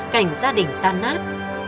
cảnh gia đình tan nát